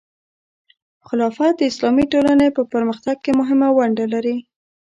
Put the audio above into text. خلافت د اسلامي ټولنې په پرمختګ کې مهمه ونډه لري.